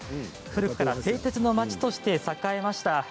古くから製鉄の町として栄えました。